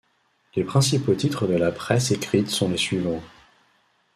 Les principaux titres de la presse écrite sont les suivants.